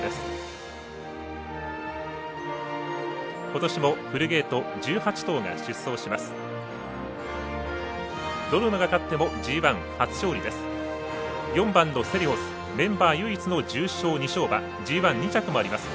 ことしもフルゲート、１８頭が出走します。